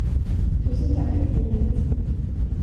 Tusen tack för vinet.